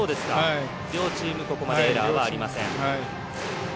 両チーム、ここまでエラーはありません。